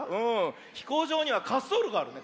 ひこうじょうにはかっそうろがあるね。